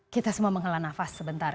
kita semua mengelah nafas sebentar